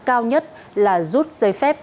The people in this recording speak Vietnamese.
cao nhất là rút giấy phép